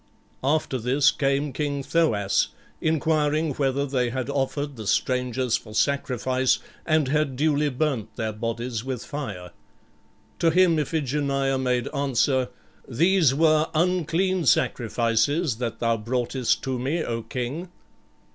After this came King Thoas, inquiring whether they had offered the strangers for sacrifice and had duly burnt their bodies with fire. To him Iphigenia made answer, "These were unclean sacrifices that thou broughtest to me, O King."